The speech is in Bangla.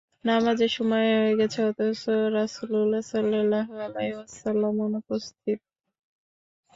নামাযের সময় হয়ে গেছে, অথচ রাসুলুল্লাহ সাল্লাল্লাহু আলাইহি ওয়াসাল্লাম অনুপস্থিত।